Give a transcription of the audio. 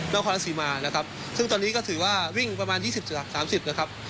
น้องคลัมศรีมาซึ่งเริ่มวิ่งประมาณ๒๐๓๐ลิมตร